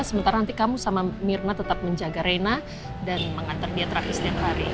sementara nanti kamu sama myrna tetap menjaga rena dan mengantar dia terapi setiap hari